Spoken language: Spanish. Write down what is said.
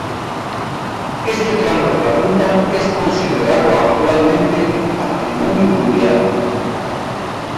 Este tramo de la ruta es considerado actualmente Patrimonio Mundial.